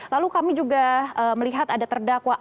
lalu kami juga melihat ada terdakwa arief rahman